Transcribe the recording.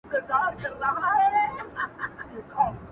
پخپله ورک یمه چي چیري به دي بیا ووینم-